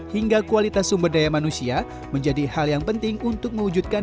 hingga kualitas sumber daya manusia menjadi hal yang penting untuk mewujudkan